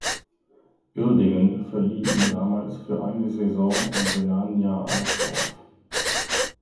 Uerdingen verlieh ihn damals für eine Saison an Rhenania Alsdorf.